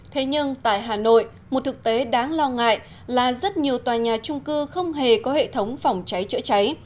thế nhưng tại hà nội một thực tế đáng lo ngại là rất nhiều tòa nhà trung cư không hề có hệ thống phòng cháy chữa cháy